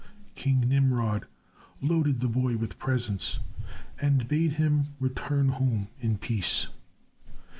King Nimrod loaded the boy with presents and bade him return home in peace.